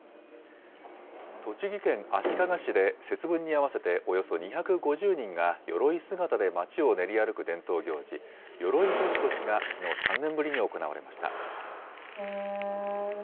栃木県足利市で、節分に合わせておよそ２５０人がよろい姿でまちを練り歩く伝統行事、鎧年越がきのう３年ぶりに行われました。